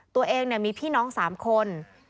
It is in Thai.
ตัวเองมีพี่น้อง๓คน